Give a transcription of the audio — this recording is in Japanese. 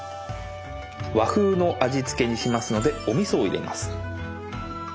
和風の味付けにしますのでおみそを入れます。